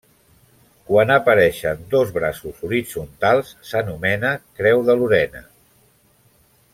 Quan apareixen dos braços horitzontals, s'anomena creu de Lorena.